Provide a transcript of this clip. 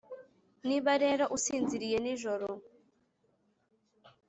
niba rero usinziriye nijoro